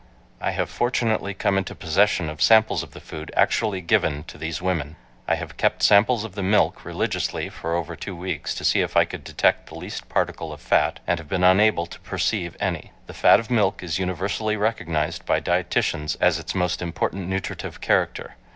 I have fortunately come into possession of samples of the food actually given to these women. I have kept samples of the milk religiously for over two weeks to see if I could detect the least particle of fat, and have been unable to perceive any. The fat of milk is universally recognized by dieticians as its most important nutritive character.